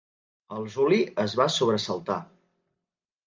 El Juli es va sobresaltar.